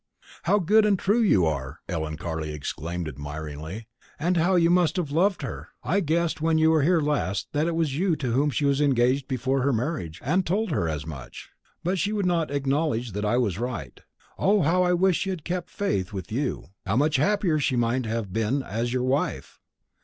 "How good and true you are!" Ellen Carley exclaimed admiringly; "and how you must have loved her! I guessed when you were here last that it was you to whom she was engaged before her marriage, and told her as much; but she would not acknowledge that I was right. O, how I wish she had kept faith with you! how much happier she might have been as your wife!"